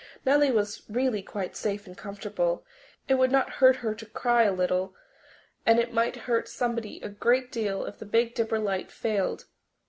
Nellie was really quite safe and comfortable. It would not hurt her to cry a little, and it might hurt somebody a great deal if the Big Dipper light failed.